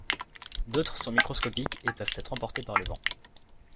D'autres sont microscopiques et peuvent être emportés par le vent.